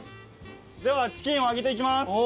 ではチキンを揚げていきます。